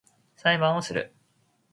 裁判をする